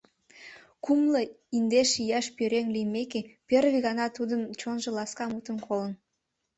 Кумло индеш ияш пӧръеҥ лиймеке, первый гана тудын чонжо ласка мутым колын...